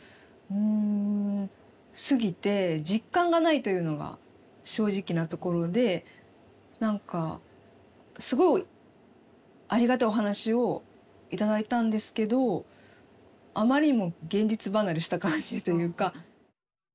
うんすぎて実感がないというのが正直なところで何かすごいありがたいお話を頂いたんですけどあまりにも現実離れした感じというか。